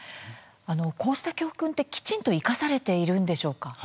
こうした教訓ってきちんと生かされているんでしょうか。